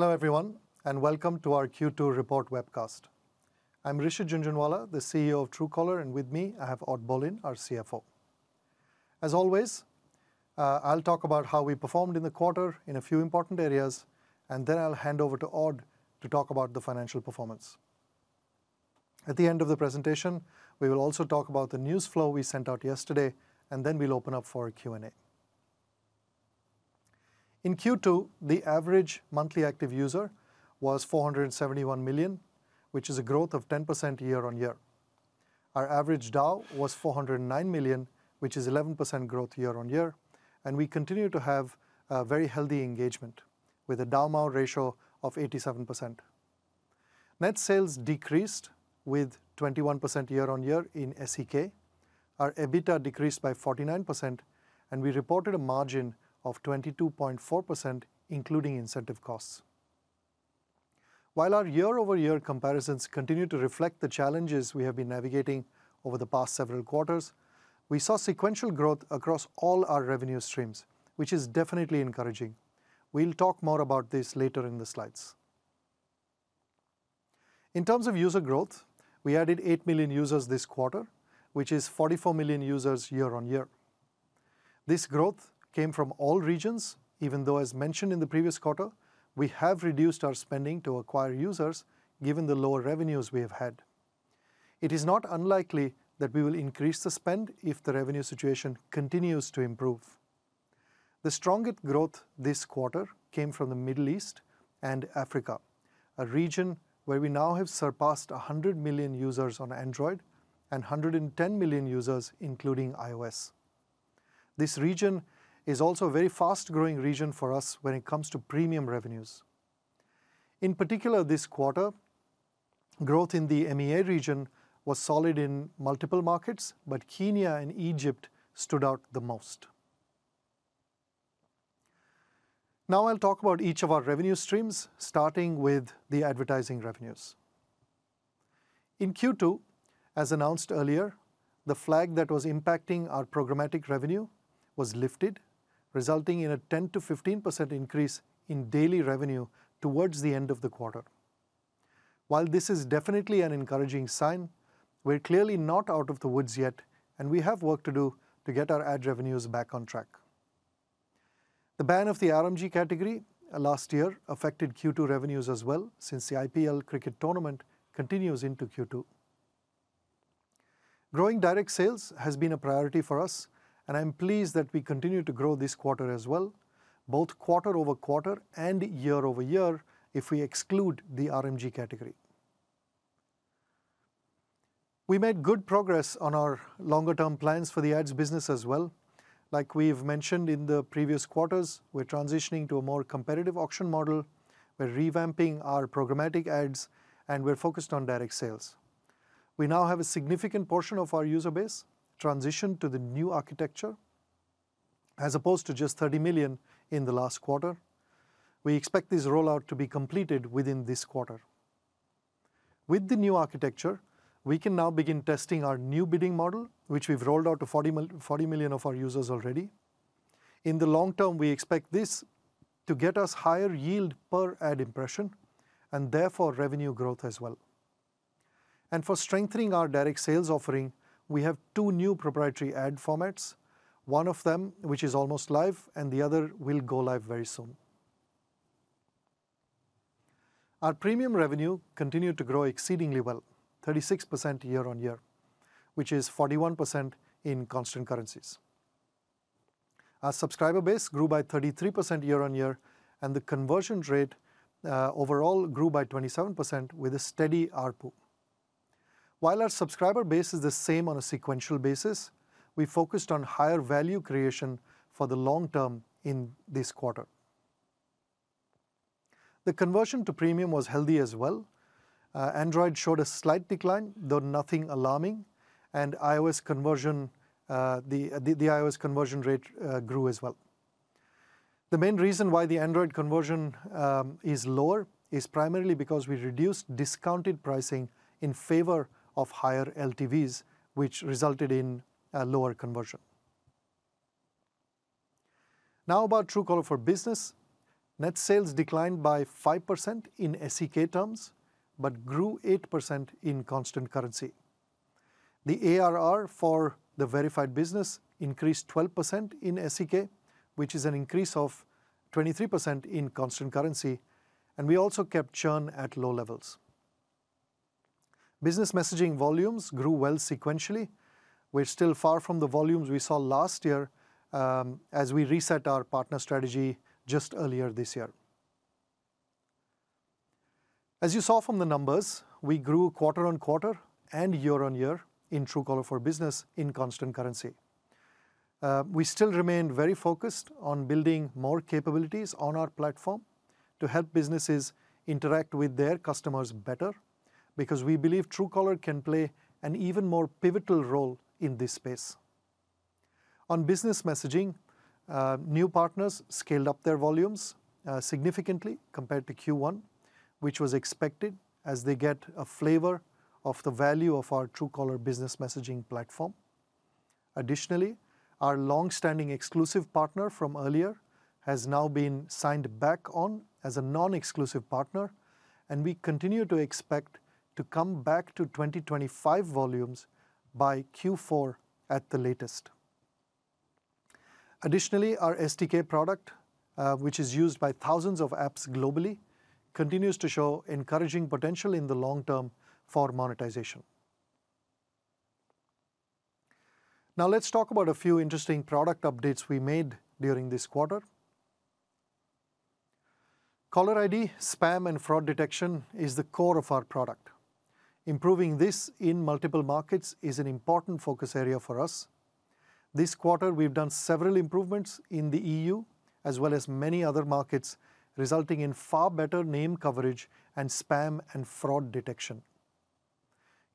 Hello, everyone, and welcome to our Q2 report webcast. I'm Rishit Jhunjhunwala, the CEO of Truecaller, and with me I have Odd Bolin, our CFO. As always, I'll talk about how we performed in the quarter in a few important areas, and then I'll hand over to Odd to talk about the financial performance. At the end of the presentation, we will also talk about the news flow we sent out yesterday, and then we'll open up for a Q&A. In Q2, the average monthly active user was 471 million, which is a growth of 10% year-on-year. Our average DAU was 409 million, which is 11% growth year-on-year. We continue to have very healthy engagement with a DAU/MAU ratio of 87%. Net sales decreased with 21% year-over-year in SEK. Our EBITDA decreased by 49% and we reported a margin of 22.4%, including incentive costs. While our year-over-year comparisons continue to reflect the challenges we have been navigating over the past several quarters, we saw sequential growth across all our revenue streams, which is definitely encouraging. We'll talk more about this later in the slides. In terms of user growth, we added 8 million users this quarter, which is 44 million users year-over-year. This growth came from all regions, even though, as mentioned in the previous quarter, we have reduced our spending to acquire users, given the lower revenues we have had. It is not unlikely that we will increase the spend if the revenue situation continues to improve. The strongest growth this quarter came from the Middle East and Africa, a region where we now have surpassed 100 million users on Android and 110 million users, including iOS. This region is also a very fast-growing region for us when it comes to premium revenues. In particular, this quarter, growth in the MEA region was solid in multiple markets, but Kenya and Egypt stood out the most. Now I'll talk about each of our revenue streams, starting with the advertising revenues. In Q2, as announced earlier, the flag that was impacting our programmatic revenue was lifted, resulting in a 10%-15% increase in daily revenue towards the end of the quarter. While this is definitely an encouraging sign, we're clearly not out of the woods yet, and we have work to do to get our ad revenues back on track. The ban of the RMG category last year affected Q2 revenues as well, since the IPL cricket tournament continues into Q2. Growing direct sales has been a priority for us, and I'm pleased that we continue to grow this quarter as well, both quarter-over-quarter and year-over-year, if we exclude the RMG category. We made good progress on our longer-term plans for the ads business as well. Like we've mentioned in the previous quarters, we're transitioning to a more competitive auction model. We're revamping our programmatic ads, and we're focused on direct sales. We now have a significant portion of our user base transition to the new architecture, as opposed to just 30 million in the last quarter. We expect this rollout to be completed within this quarter. With the new architecture, we can now begin testing our new bidding model, which we've rolled out to 40 million of our users already. In the long term, we expect this to get us higher yield per ad impression, therefore, revenue growth as well. For strengthening our direct sales offering, we have two new proprietary ad formats, one of them which is almost live and the other will go live very soon. Our premium revenue continued to grow exceedingly well, 36% year-on-year, which is 41% in constant currencies. Our subscriber base grew by 33% year-on-year, and the conversion rate, overall grew by 27% with a steady ARPU. While our subscriber base is the same on a sequential basis, we focused on higher value creation for the long term in this quarter. The conversion to premium was healthy as well. Android showed a slight decline, though nothing alarming, and the iOS conversion rate grew as well. The main reason why the Android conversion is lower is primarily because we reduced discounted pricing in favor of higher LTVs, which resulted in a lower conversion. Now about Truecaller for Business. Net sales declined by 5% in SEK terms, but grew 8% in constant currency. The ARR for the verified business increased 12% in SEK, which is an increase of 23% in constant currency, and we also kept churn at low levels. Business messaging volumes grew well sequentially. We're still far from the volumes we saw last year as we reset our partner strategy just earlier this year. As you saw from the numbers, we grew quarter-on-quarter and year-on-year in Truecaller for Business in constant currency. We still remain very focused on building more capabilities on our platform to help businesses interact with their customers better, because we believe Truecaller can play an even more pivotal role in this space. On business messaging, new partners scaled up their volumes significantly compared to Q1, which was expected as they get a flavor of the value of our Truecaller business messaging platform. Additionally, our longstanding exclusive partner from earlier has now been signed back on as a non-exclusive partner, and we continue to expect to come back to 2025 volumes by Q4 at the latest. Additionally, our SDK product, which is used by thousands of apps globally, continues to show encouraging potential in the long term for monetization. Let's talk about a few interesting product updates we made during this quarter. Caller ID, spam and fraud detection is the core of our product. Improving this in multiple markets is an important focus area for us. This quarter, we've done several improvements in the EU as well as many other markets, resulting in far better name coverage and spam and fraud detection.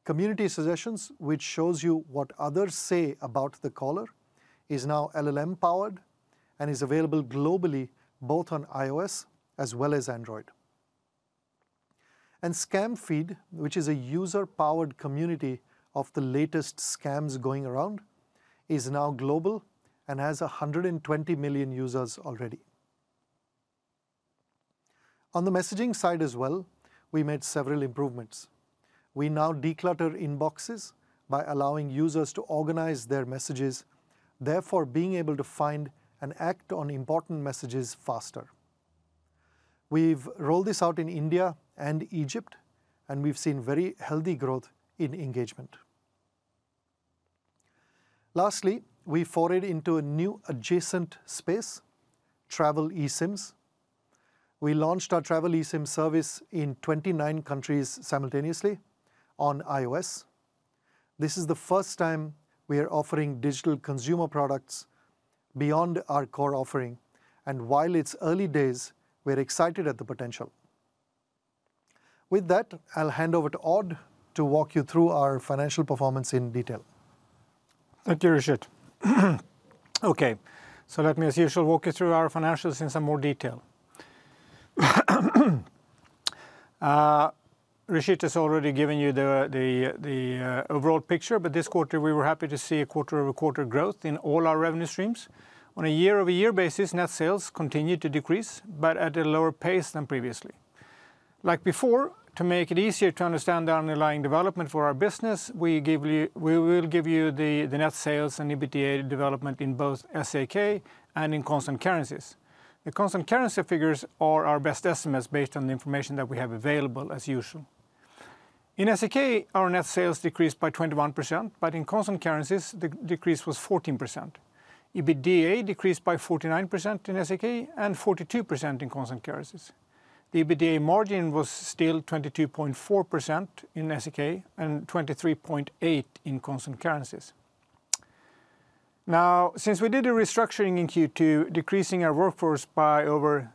Community Suggestions, which shows you what others say about the caller, is now LLM-powered and is available globally both on iOS as well as Android. Scam Feed, which is a user-powered community of the latest scams going around, is now global and has 120 million users already. On the messaging side as well, we made several improvements. We now declutter inboxes by allowing users to organize their messages, therefore being able to find and act on important messages faster. We've rolled this out in India and Egypt, and we've seen very healthy growth in engagement. Lastly, we forayed into a new adjacent space, travel eSIMs. We launched our travel eSIM service in 29 countries simultaneously on iOS. This is the first time we are offering digital consumer products beyond our core offering, and while it's early days, we are excited at the potential. With that, I will hand over to Odd to walk you through our financial performance in detail. Thank you, Rishit. Okay, let me, as usual, walk you through our financials in some more detail. Rishit has already given you the overall picture, this quarter we were happy to see a quarter-over-quarter growth in all our revenue streams. On a year-over-year basis, net sales continued to decrease, at a lower pace than previously. Like before, to make it easier to understand the underlying development for our business, we will give you the net sales and EBITDA development in both SEK and in constant currencies. The constant currency figures are our best estimates based on the information that we have available, as usual. In SEK, our net sales decreased by 21%, but in constant currencies, the decrease was 14%. EBITDA decreased by 49% in SEK and 42% in constant currencies. The EBITDA margin was still 22.4% in SEK and 23.8% in constant currencies. Since we did a restructuring in Q2, decreasing our workforce by over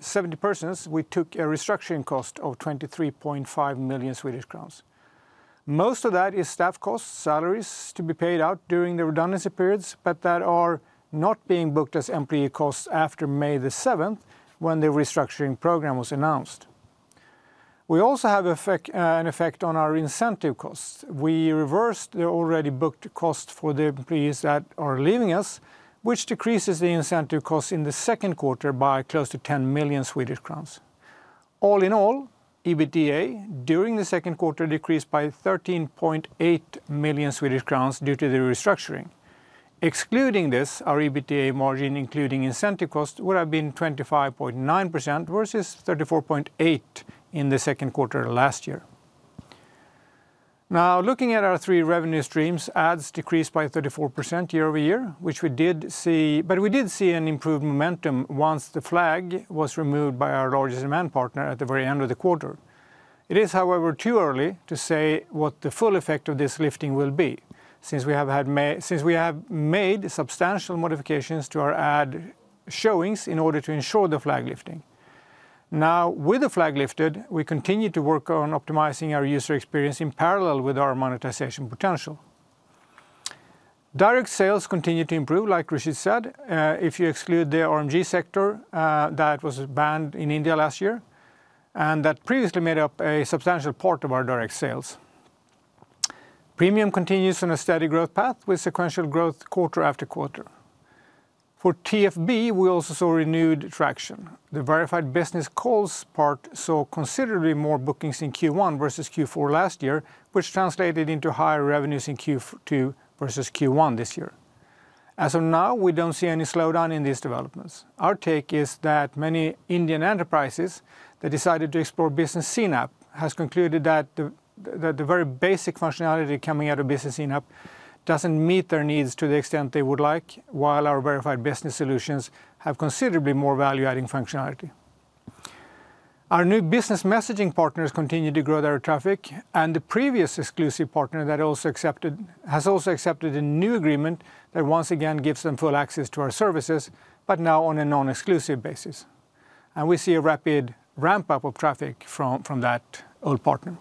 70 persons, we took a restructuring cost of 23.5 million Swedish crowns. Most of that is staff costs, salaries to be paid out during the redundancy periods, that are not being booked as employee costs after May 7th, when the restructuring program was announced. We also have an effect on our incentive costs. We reversed the already booked cost for the employees that are leaving us, which decreases the incentive costs in the second quarter by close to 10 million Swedish crowns. All in all, EBITDA during the second quarter decreased by 13.8 million Swedish crowns due to the restructuring. Excluding this, our EBITDA margin, including incentive cost, would have been 25.9% versus 34.8% in the second quarter last year. Looking at our three revenue streams, ads decreased by 34% year-over-year, we did see an improved momentum once the flag was removed by our largest demand partner at the very end of the quarter. It is, however, too early to say what the full effect of this lifting will be since we have made substantial modifications to our ad showings in order to ensure the flag lifting. With the flag lifted, we continue to work on optimizing our user experience in parallel with our monetization potential. Direct sales continue to improve, like Rishit said. If you exclude the RMG sector, that was banned in India last year, that previously made up a substantial part of our direct sales. Premium continues on a steady growth path with sequential growth quarter after quarter. For TFB, we also saw renewed traction. The verified business calls part saw considerably more bookings in Q1 versus Q4 last year, which translated into higher revenues in Q2 versus Q1 this year. As of now, we don't see any slowdown in these developments. Our take is that many Indian enterprises that decided to explore business CNAP have concluded that the very basic functionality coming out of business CNAP doesn't meet their needs to the extent they would like, while our verified business solutions have considerably more value-adding functionality. Our new business messaging partners continue to grow their traffic, and the previous exclusive partner has also accepted a new agreement that once again gives them full access to our services, but now on a non-exclusive basis. We see a rapid ramp-up of traffic from that old partner.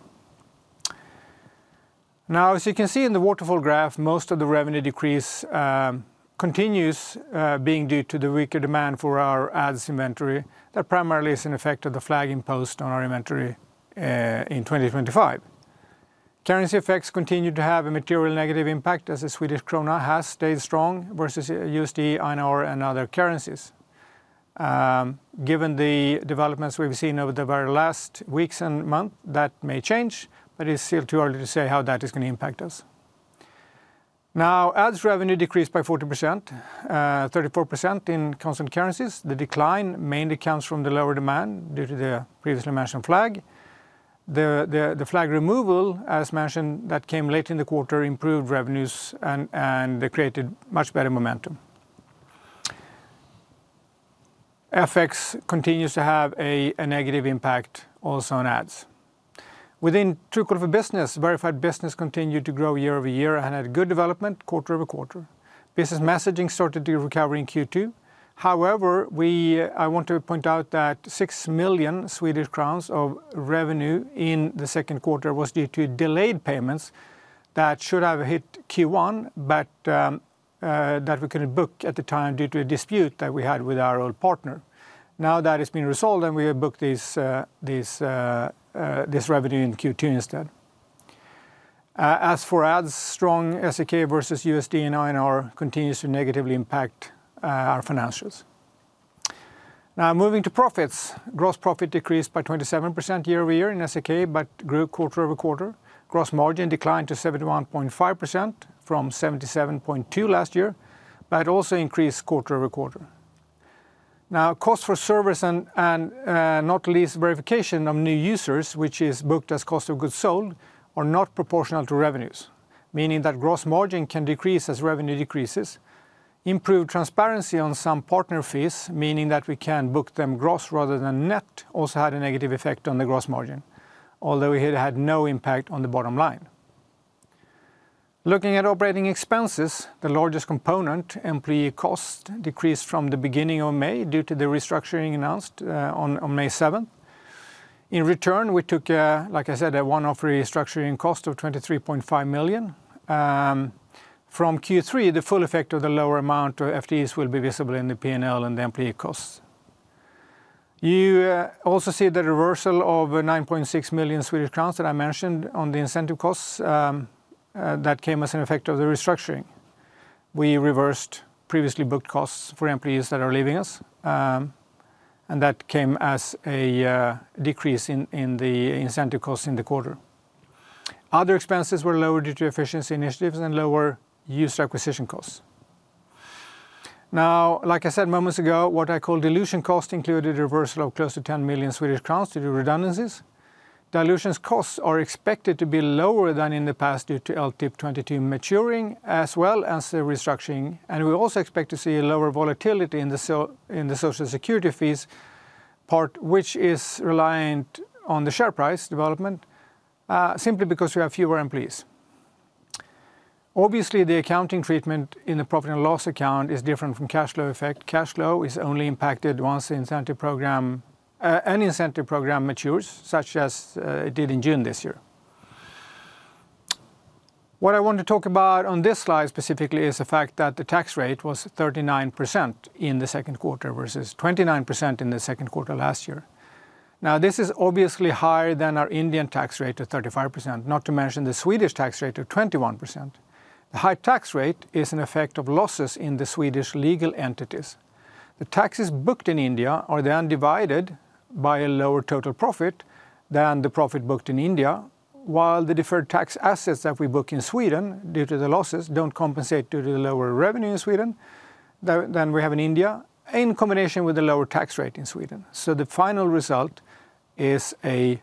As you can see in the waterfall graph, most of the revenue decrease continues being due to the weaker demand for our ads inventory. That primarily is an effect of the flagging post on our inventory in 2025. Currency effects continue to have a material negative impact as the Swedish krona has stayed strong versus USD, INR, and other currencies. Given the developments we've seen over the very last weeks and month, that may change, but it's still too early to say how that is going to impact us. Ads revenue decreased by 40%, 34% in constant currencies. The decline mainly comes from the lower demand due to the previously mentioned flag. The flag removal, as mentioned, that came late in the quarter improved revenues and created much better momentum. FX continues to have a negative impact also on ads. Within Truecaller for Business, verified business continued to grow year-over-year and had good development quarter-over-quarter. Business messaging started to recover in Q2. However, I want to point out that 6 million Swedish crowns of revenue in the second quarter was due to delayed payments that should have hit Q1, but that we couldn't book at the time due to a dispute that we had with our old partner. That has been resolved, and we have booked this revenue in Q2 instead. As for ads, strong SEK versus USD and INR continues to negatively impact our financials. Moving to profits. Gross profit decreased by 27% year-over-year in SEK but grew quarter-over-quarter. Gross margin declined to 71.5% from 77.2% last year, but also increased quarter-over-quarter. Cost for service and not least verification of new users, which is booked as cost of goods sold, are not proportional to revenues, meaning that gross margin can decrease as revenue decreases. Improved transparency on some partner fees, meaning that we can book them gross rather than net, also had a negative effect on the gross margin. Although it had no impact on the bottom line. Looking at operating expenses, the largest component, employee cost, decreased from the beginning of May due to the restructuring announced on May 7th. In return, we took, like I said, a one-off restructuring cost of 23.5 million. From Q3, the full effect of the lower amount to FTEs will be visible in the P&L and the employee costs. You also see the reversal of 9.6 million Swedish crowns that I mentioned on the incentive costs, that came as an effect of the restructuring. We reversed previously booked costs for employees that are leaving us, that came as a decrease in the incentive costs in the quarter. Other expenses were lowered due to efficiency initiatives and lower user acquisition costs. Like I said moments ago, what I call dilution cost included reversal of close to 10 million Swedish crowns due to redundancies. Dilutions costs are expected to be lower than in the past due to LTIP 2022 maturing as well as the restructuring. We also expect to see lower volatility in the Social Security fees part, which is reliant on the share price development, simply because we have fewer employees. The accounting treatment in the profit and loss account is different from cash flow effect. Cash flow is only impacted once any incentive program matures, such as it did in June this year. What I want to talk about on this slide specifically is the fact that the tax rate was 39% in the second quarter versus 29% in the second quarter last year. This is obviously higher than our Indian tax rate of 35%, not to mention the Swedish tax rate of 21%. The high tax rate is an effect of losses in the Swedish legal entities. The taxes booked in India are then divided by a lower total profit than the profit booked in India, while the deferred tax assets that we book in Sweden, due to the losses, don't compensate due to the lower revenue in Sweden than we have in India, in combination with the lower tax rate in Sweden. The final result is a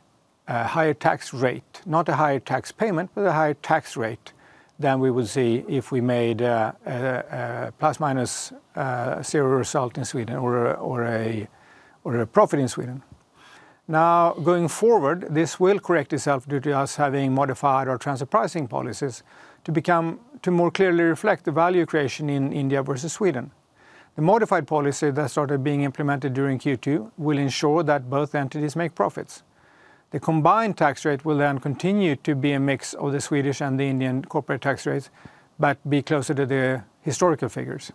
higher tax rate, not a higher tax payment, but a higher tax rate than we would see if we made a plus-minus zero result in Sweden or a profit in Sweden. Going forward, this will correct itself due to us having modified our transfer pricing policies to more clearly reflect the value creation in India versus Sweden. The modified policy that started being implemented during Q2 will ensure that both entities make profits. The combined tax rate will continue to be a mix of the Swedish and the Indian corporate tax rates, but be closer to the historical figures.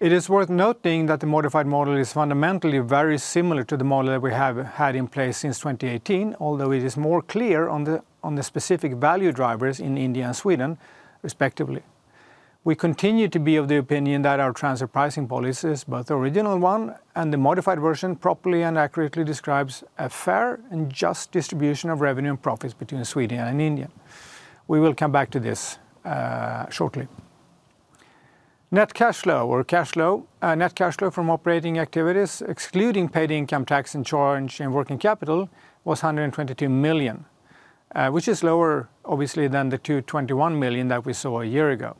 It is worth noting that the modified model is fundamentally very similar to the model that we have had in place since 2018, although it is more clear on the specific value drivers in India and Sweden, respectively. We continue to be of the opinion that our transfer pricing policies, both the original one and the modified version, properly and accurately describes a fair and just distribution of revenue and profits between Sweden and India. We will come back to this shortly. Net cash flow from operating activities, excluding paid income tax and change in working capital, was 122 million, which is lower obviously than 221 million that we saw a year ago.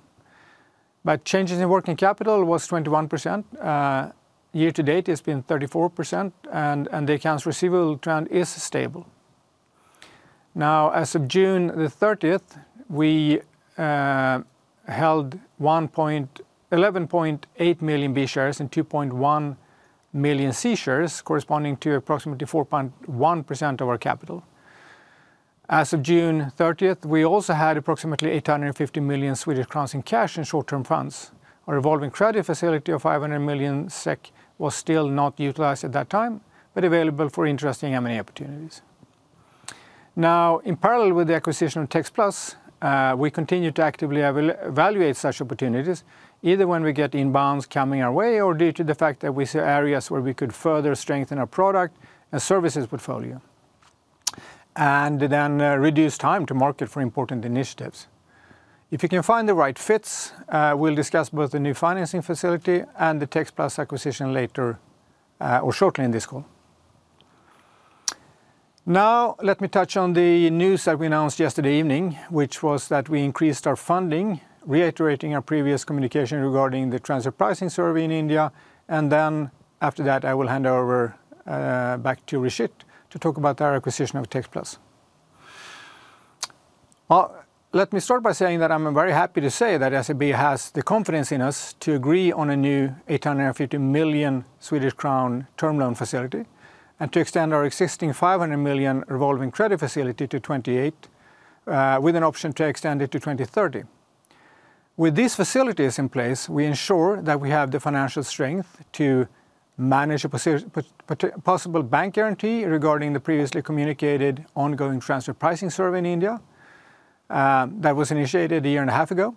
Changes in working capital was 21%. Year to date, it's been 34%, the accounts receivable trend is stable. As of June the 30th, we held 11.8 million B shares and 2.1 million C shares corresponding to approximately 4.1% of our capital. As of June 30th, we also had approximately 850 million Swedish crowns in cash and short-term funds. Our revolving credit facility of 500 million SEK was still not utilized at that time, but available for interesting M&A opportunities. In parallel with the acquisition of textPlus, we continue to actively evaluate such opportunities, either when we get inbounds coming our way, or due to the fact that we see areas where we could further strengthen our product and services portfolio, reduce time to market for important initiatives. If we can find the right fits, we'll discuss both the new financing facility and the textPlus acquisition later or shortly in this call. Let me touch on the news that we announced yesterday evening, which was that we increased our funding, reiterating our previous communication regarding the transfer pricing survey in India. After that, I will hand over back to Rishit to talk about our acquisition of textPlus. Let me start by saying that I'm very happy to say that SEB has the confidence in us to agree on a new 850 million Swedish crown term loan facility, and to extend our existing 500 million revolving credit facility to 2028, with an option to extend it to 2030. With these facilities in place, we ensure that we have the financial strength to manage a possible bank guarantee regarding the previously communicated ongoing transfer pricing survey in India that was initiated a year and a half ago,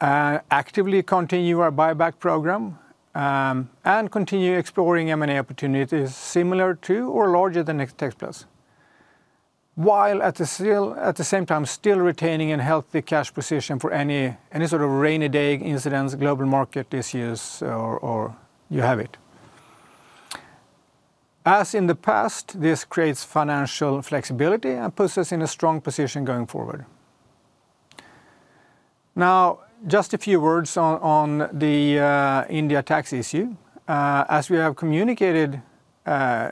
actively continue our buyback program, and continue exploring M&A opportunities similar to or larger than textPlus. At the same time, still retaining a healthy cash position for any sort of rainy day incidents, global market issues, or you have it. In the past, this creates financial flexibility and puts us in a strong position going forward. Just a few words on the India tax issue. We have communicated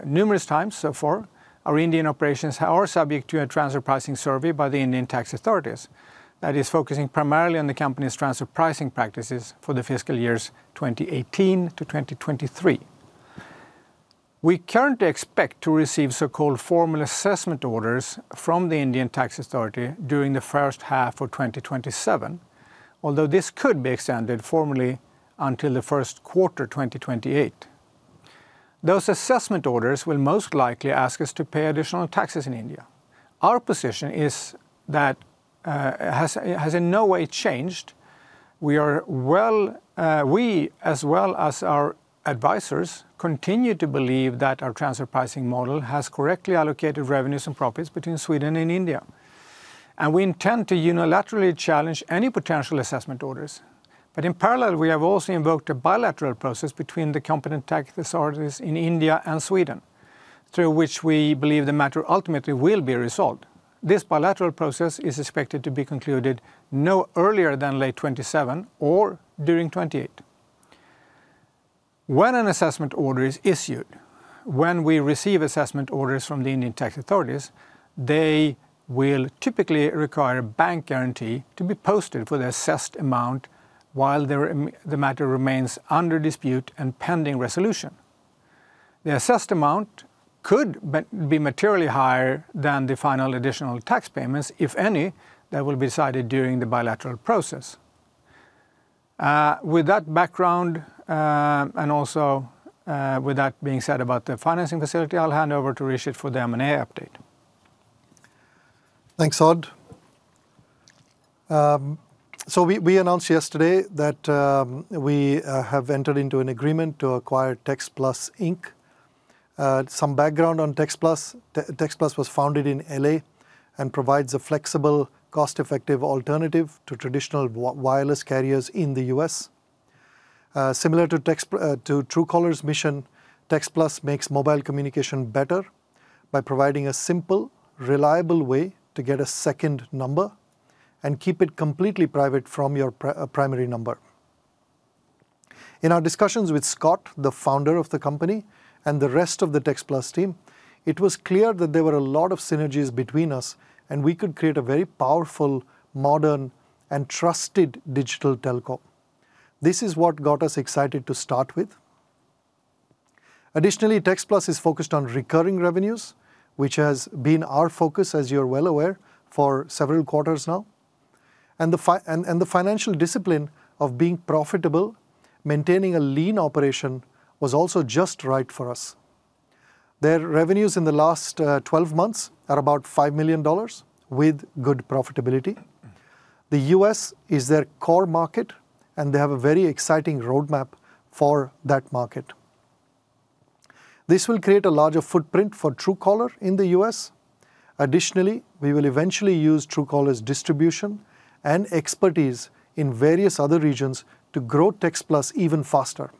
numerous times so far, our Indian operations are subject to a transfer pricing survey by the Indian tax authorities that is focusing primarily on the company's transfer pricing practices for the fiscal years 2018 to 2023. We currently expect to receive so-called formal assessment orders from the Indian tax authority during the first half of 2027, although this could be extended formally until the first quarter 2028. Those assessment orders will most likely ask us to pay additional taxes in India. Our position has in no way changed. We, as well as our advisors, continue to believe that our transfer pricing model has correctly allocated revenues and profits between Sweden and India. We intend to unilaterally challenge any potential assessment orders. In parallel, we have also invoked a bilateral process between the competent tax authorities in India and Sweden, through which we believe the matter ultimately will be resolved. This bilateral process is expected to be concluded no earlier than late 2027 or during 2028. When we receive assessment orders from the Indian tax authorities, they will typically require a bank guarantee to be posted for the assessed amount while the matter remains under dispute and pending resolution. The assessed amount could be materially higher than the final additional tax payments, if any, that will be decided during the bilateral process. With that background, with that being said about the financing facility, I'll hand over to Rishit for the M&A update. Thanks, Odd. We announced yesterday that we have entered into an agreement to acquire textPlus Inc. Some background on textPlus. textPlus was founded in L.A. and provides a flexible, cost-effective alternative to traditional wireless carriers in the U.S. Similar to Truecaller's mission, textPlus makes mobile communication better by providing a simple, reliable way to get a second number and keep it completely private from your primary number. In our discussions with Scott, the founder of the company, and the rest of the textPlus team, it was clear that there were a lot of synergies between us, and we could create a very powerful, modern, and trusted digital telecom. This is what got us excited to start with. Additionally, textPlus is focused on recurring revenues, which has been our focus, as you're well aware, for several quarters now. The financial discipline of being profitable, maintaining a lean operation was also just right for us. Their revenues in the last 12 months are about $5 million with good profitability. The U.S. is their core market, and they have a very exciting roadmap for that market. This will create a larger footprint for Truecaller in the U.S. Additionally, we will eventually use Truecaller's distribution and expertise in various other regions to grow textPlus even faster.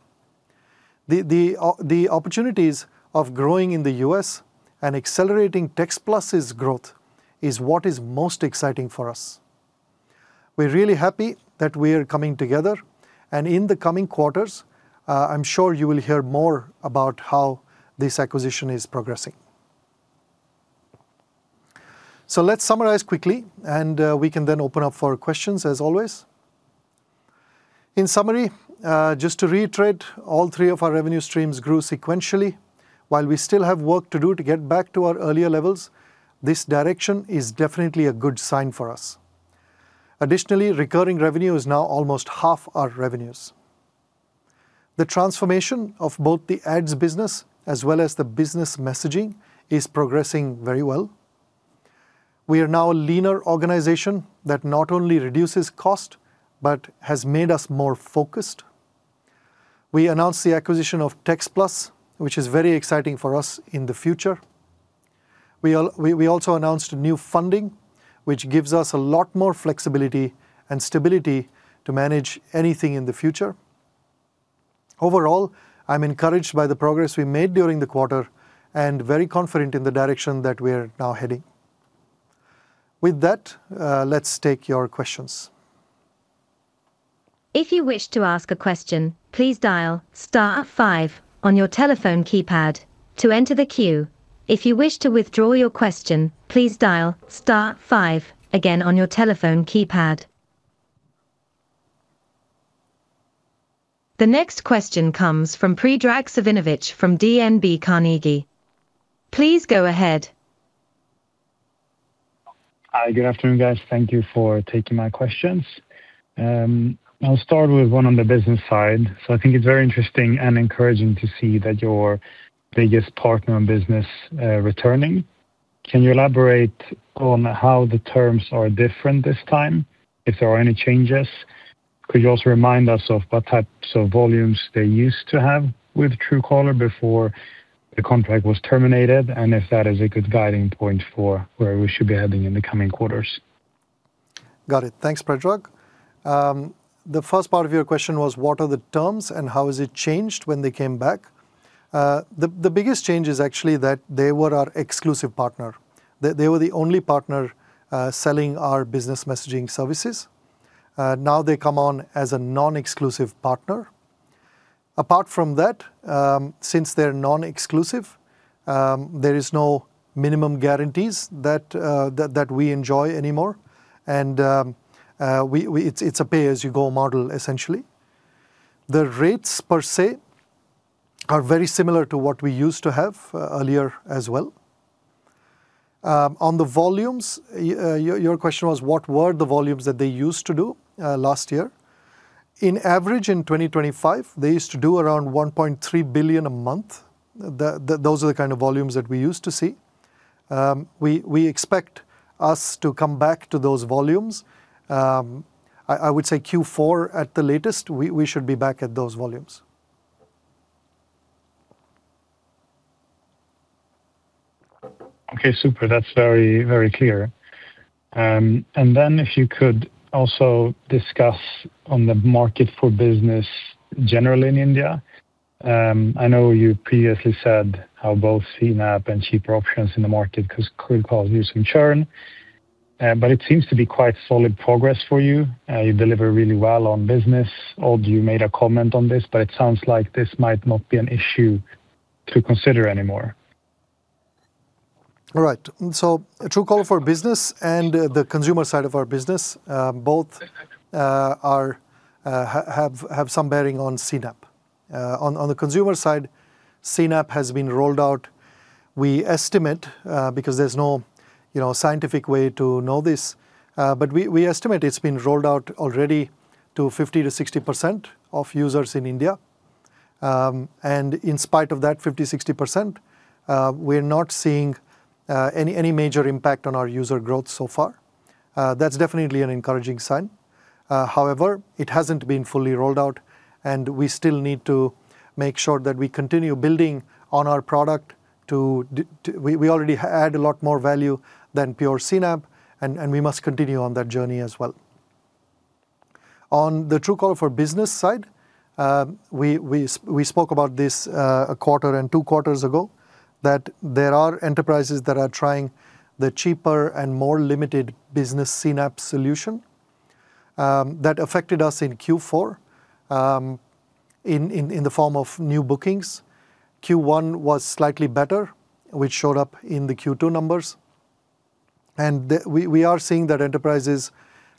The opportunities of growing in the U.S. and accelerating textPlus' growth is what is most exciting for us. We're really happy that we are coming together, and in the coming quarters, I'm sure you will hear more about how this acquisition is progressing. Let's summarize quickly, and we can then open up for questions as always. In summary, just to reiterate, all three of our revenue streams grew sequentially. While we still have work to do to get back to our earlier levels, this direction is definitely a good sign for us. Additionally, recurring revenue is now almost half our revenues. The transformation of both the ads business as well as the business messaging is progressing very well. We are now a leaner organization that not only reduces cost but has made us more focused. We announced the acquisition of textPlus, which is very exciting for us in the future. We also announced new funding, which gives us a lot more flexibility and stability to manage anything in the future. Overall, I'm encouraged by the progress we made during the quarter and very confident in the direction that we're now heading. With that, let's take your questions. If you wish to ask a question, please dial star five on your telephone keypad to enter the queue. If you wish to withdraw your question, please dial star five again on your telephone keypad. The next question comes from Predrag Savinovic from DNB Carnegie. Please go ahead. Hi, good afternoon, guys. Thank you for taking my questions. I'll start with one on the business side. I think it's very interesting and encouraging to see that your biggest partner in business returning. Can you elaborate on how the terms are different this time, if there are any changes? Could you also remind us of what types of volumes they used to have with Truecaller before the contract was terminated, and if that is a good guiding point for where we should be heading in the coming quarters? Got it. Thanks, Predrag. The first part of your question was, what are the terms and how has it changed when they came back? The biggest change is actually that they were our exclusive partner. They were the only partner selling our business messaging services. Now they come on as a non-exclusive partner. Apart from that, since they're non-exclusive, there is no minimum guarantees that we enjoy anymore, and it's a pay-as-you-go model, essentially. The rates per se are very similar to what we used to have earlier as well. On the volumes, your question was, what were the volumes that they used to do last year? On average in 2025, they used to do around 1.3 billion a month. Those are the kind of volumes that we used to see. We expect us to come back to those volumes. I would say Q4 at the latest, we should be back at those volumes. Okay, super. That's very clear. If you could also discuss on the market for business generally in India. I know you previously said how both CNAP and cheaper options in the market could [cause losing] churn, but it seems to be quite solid progress for you. You deliver really well on business. Odd, you made a comment on this, but it sounds like this might not be an issue to consider anymore. All right. Truecaller for Business and the consumer side of our business, both have some bearing on CNAP. On the consumer side, CNAP has been rolled out. We estimate, because there's no scientific way to know this, but we estimate it's been rolled out already to 50%-60% of users in India. In spite of that 50%, 60%, we're not seeing any major impact on our user growth so far. That's definitely an encouraging sign. However, it hasn't been fully rolled out, and we still need to make sure that we continue building on our product. We already add a lot more value than pure CNAP, and we must continue on that journey as well. On the Truecaller for Business side, we spoke about this a quarter and two quarters ago, that there are enterprises that are trying the cheaper and more limited business CNAP solution. That affected us in Q4 in the form of new bookings. Q1 was slightly better, which showed up in the Q2 numbers. We are seeing that enterprises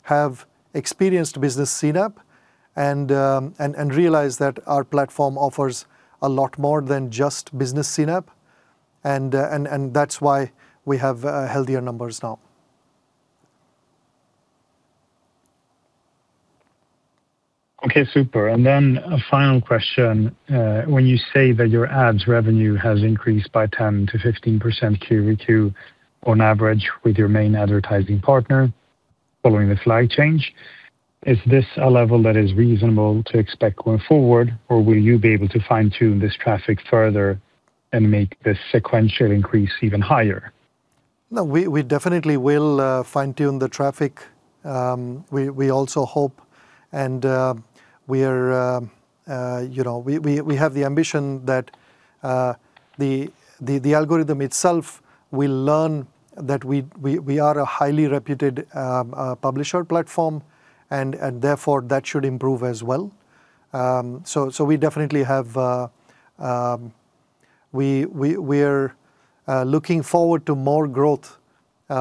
have experienced business CNAP and realized that our platform offers a lot more than just business CNAP, and that's why we have healthier numbers now. Okay, super. A final question. When you say that your ads revenue has increased by 10%-15% Q2 on average with your main advertising partner following the flag change, is this a level that is reasonable to expect going forward, or will you be able to fine-tune this traffic further and make this sequential increase even higher? No, we definitely will fine-tune the traffic. We also hope, and we have the ambition that the algorithm itself will learn that we are a highly reputed publisher platform, and therefore that should improve as well. We are looking forward to more growth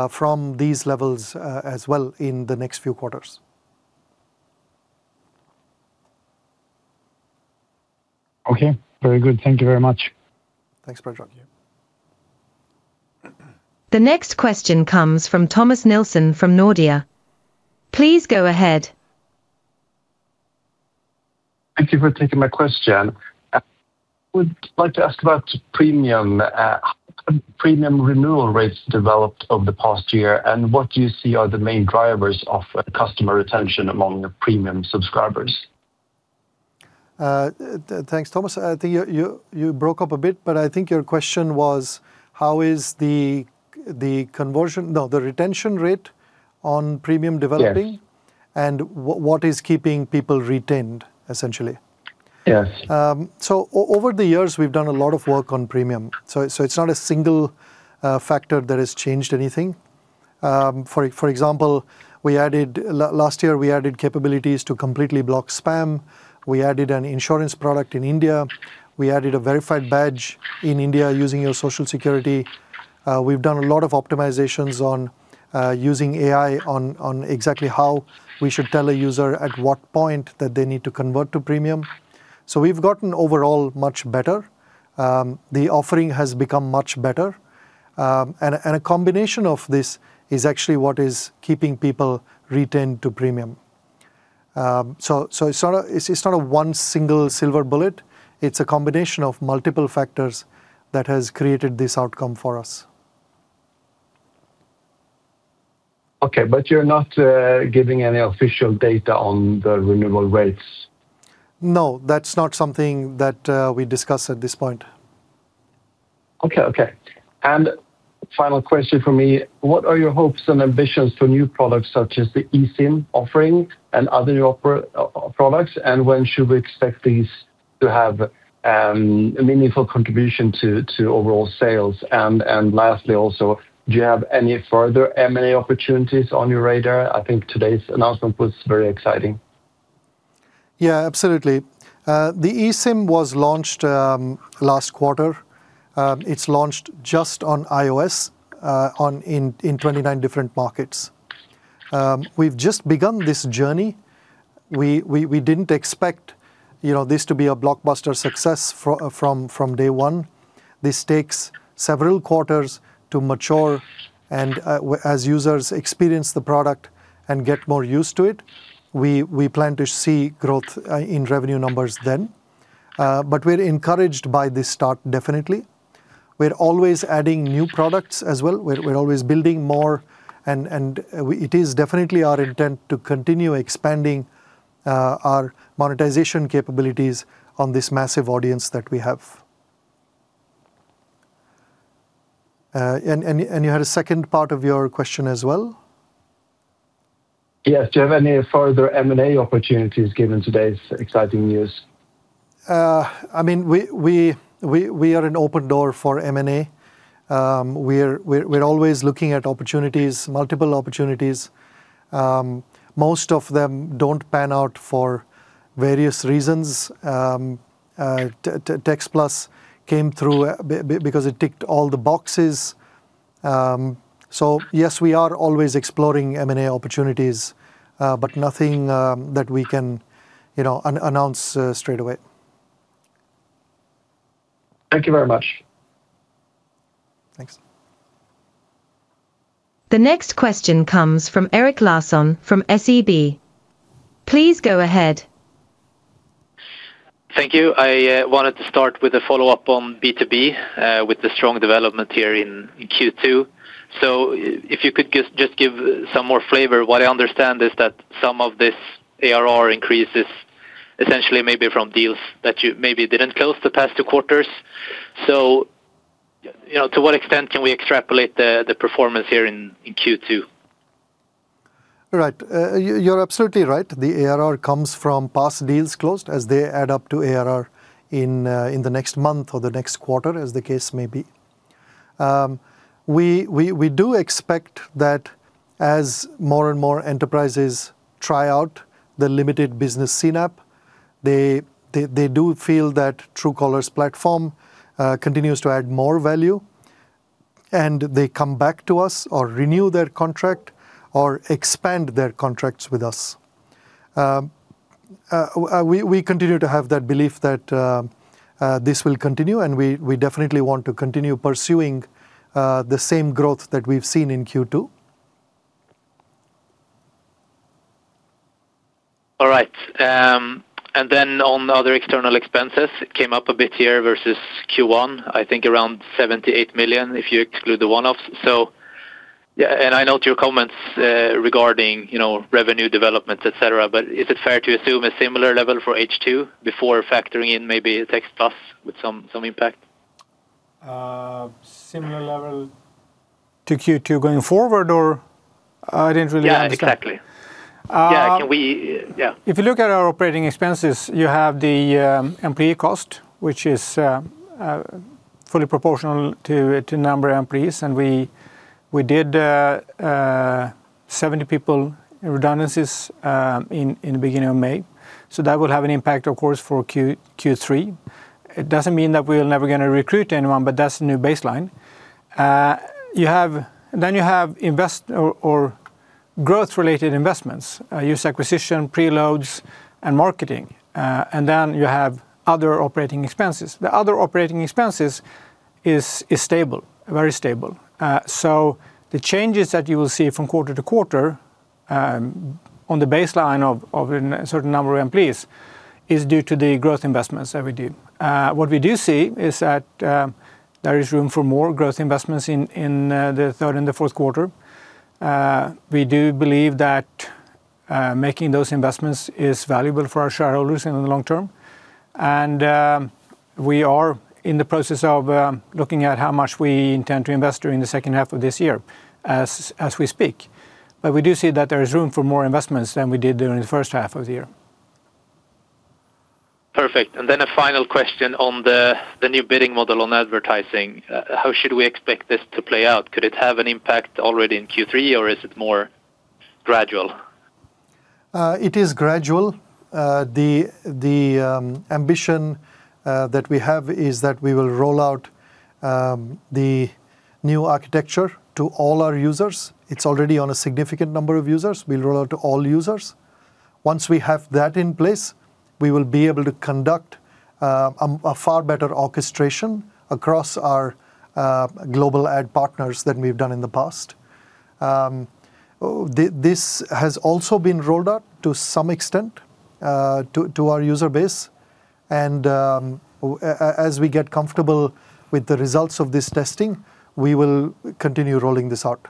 from these levels as well in the next few quarters. Okay. Very good. Thank you very much. Thanks, Predrag. The next question comes from Thomas Nilsson from Nordea. Please go ahead. Thank you for taking my question. I would like to ask about premium. How have premium renewal rates developed over the past year, and what do you see are the main drivers of customer retention among the premium subscribers? Thanks, Thomas. I think you broke up a bit, but I think your question was how is the retention rate on premium developing? Yes. What is keeping people retained, essentially. Yes. Over the years, we've done a lot of work on premium, so it's not a single factor that has changed anything. For example, last year, we added capabilities to completely block spam. We added an insurance product in India. We added a verified badge in India using your Social Security. We've done a lot of optimizations on using AI on exactly how we should tell a user at what point that they need to convert to premium. We've gotten overall much better. The offering has become much better. A combination of this is actually what is keeping people retained to premium. It's not a one single silver bullet. It's a combination of multiple factors that has created this outcome for us. Okay. You're not giving any official data on the renewable rates? No, that's not something that we discuss at this point. Okay. Final question from me, what are your hopes and ambitions for new products such as the eSIM offering and other new products, when should we expect these to have a meaningful contribution to overall sales? Lastly, also, do you have any further M&A opportunities on your radar? I think today's announcement was very exciting. Absolutely. The eSIM was launched last quarter. It's launched just on iOS in 29 different markets. We've just begun this journey. We didn't expect this to be a blockbuster success from day one. This takes several quarters to mature, as users experience the product and get more used to it, we plan to see growth in revenue numbers then. We're encouraged by this start, definitely. We're always adding new products as well. We're always building more, it is definitely our intent to continue expanding our monetization capabilities on this massive audience that we have. You had a second part of your question as well? Yes. Do you have any further M&A opportunities given today's exciting news? We are an open door for M&A. We're always looking at opportunities, multiple opportunities. Most of them don't pan out for various reasons. textPlus came through because it ticked all the boxes. Yes, we are always exploring M&A opportunities, but nothing that we can announce straight away. Thank you very much. Thanks. The next question comes from Erik Larsson from SEB. Please go ahead. Thank you. I wanted to start with a follow-up on B2B with the strong development here in Q2. If you could just give some more flavor. What I understand is that some of this ARR increase is essentially maybe from deals that you maybe didn't close the past two quarters. To what extent can we extrapolate the performance here in Q2? Right. You're absolutely right. The ARR comes from past deals closed as they add up to ARR in the next month or the next quarter, as the case may be. We do expect that as more and more enterprises try out the limited business CNAP, they do feel that Truecaller's platform continues to add more value, and they come back to us or renew their contract or expand their contracts with us. We continue to have that belief that this will continue, and we definitely want to continue pursuing the same growth that we've seen in Q2. Then on other external expenses, it came up a bit here versus Q1, I think around 78 million if you exclude the one-offs. Yeah, I note your comments regarding revenue developments, et cetera, but is it fair to assume a similar level for H2 before factoring in maybe textPlus with some impact? Similar level to Q2 going forward, or I didn't really understand. Yeah, exactly. Yeah. If you look at our operating expenses, you have the employee cost, which is fully proportional to number of employees, and we did 70 people in redundancies in the beginning of May. That will have an impact, of course, for Q3. It doesn't mean that we're never going to recruit anyone, but that's the new baseline. You have growth-related investments, user acquisition, preloads, and marketing. You have other operating expenses. The other operating expenses is stable, very stable. The changes that you will see from quarter to quarter on the baseline of a certain number of employees is due to the growth investments that we do. What we do see is that there is room for more growth investments in the third and the fourth quarter. We do believe that making those investments is valuable for our shareholders in the long term. We are in the process of looking at how much we intend to invest during the second half of this year, as we speak. We do see that there is room for more investments than we did during the first half of the year. Perfect. A final question on the new bidding model on advertising. How should we expect this to play out? Could it have an impact already in Q3, or is it more gradual? It is gradual. The ambition that we have is that we will roll out the new architecture to all our users. It's already on a significant number of users. We'll roll out to all users. Once we have that in place, we will be able to conduct a far better orchestration across our global ad partners than we've done in the past. This has also been rolled out to some extent to our user base, and as we get comfortable with the results of this testing, we will continue rolling this out.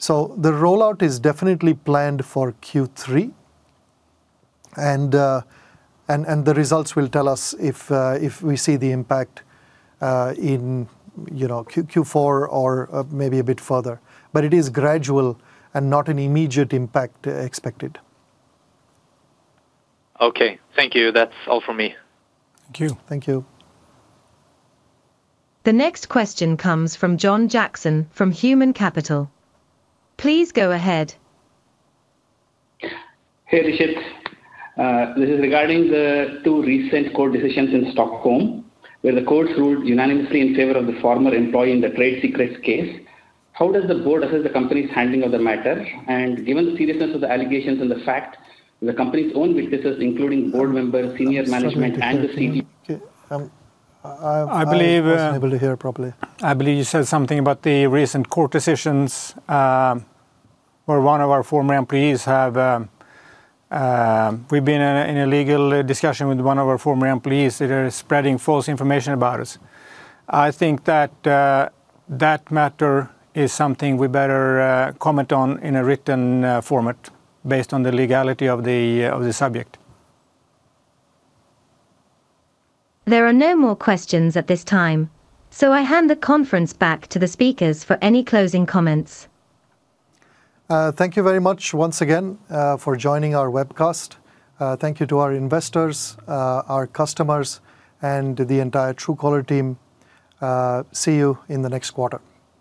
The rollout is definitely planned for Q3, and the results will tell us if we see the impact in Q4 or maybe a bit further. It is gradual and not an immediate impact expected. Okay. Thank you. That's all from me. Thank you. Thank you. The next question comes from [John Jackson] from Human Capital. Please go ahead. Hey, Rishit. This is regarding the two recent court decisions in Stockholm, where the courts ruled unanimously in favor of the former employee in the trade secrets case. How does the board assess the company's handling of the matter? Given the seriousness of the allegations and the fact the company's own witnesses, including board members, senior management, and the [inaudible] Sorry, I wasn't able to hear properly. I believe you said something about the recent court decisions, where we've been in a legal discussion with one of our former employees that are spreading false information about us. I think that matter is something we better comment on in a written format based on the legality of the subject. There are no more questions at this time, so I hand the conference back to the speakers for any closing comments. Thank you very much once again for joining our webcast. Thank you to our investors, our customers, and the entire Truecaller team. See you in the next quarter.